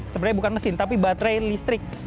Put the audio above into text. sebenarnya bukan mesin tapi baterai listrik